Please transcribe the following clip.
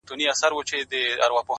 گراني چي د ټول كلي ملكه سې ـ